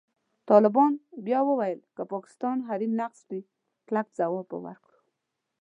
طالبان بیا وویل، که پاکستان حریم نقض کړي، کلک ځواب به ورکړي.